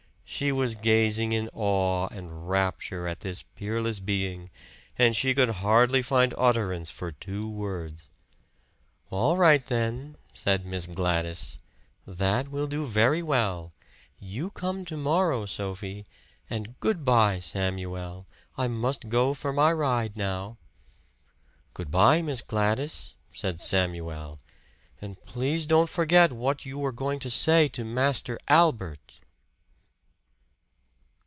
She was gazing in awe and rapture at this peerless being, and she could hardly find utterance for two words. "All right, then," said Miss Gladys, "that will do very well. You come to morrow, Sophie. And good by, Samuel. I must go for my ride now." "Good by, Miss Gladys," said Samuel. "And please don't forget what you were going to say to Master Albert!"